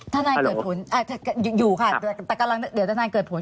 ทนายเกิดผลอยู่ค่ะแต่กำลังเดี๋ยวทนายเกิดผล